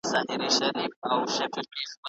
پي پي پي اخته مېرمنې د بېړنۍ درملنې لاندې ساتل کېږي.